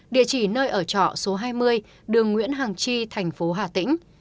địa chỉ nơi ở trọ số hai mươi đường nguyễn hàng chi thành phố hà tĩnh